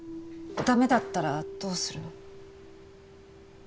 ダメだったらどうするの？